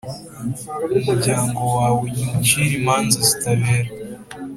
umuryango wawe nywucire imanza zitabera,